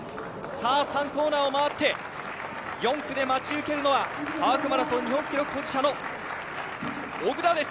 ３コーナーを回って、４区で待ち受けるのはハーフマラソン日本記録保持者の小椋です。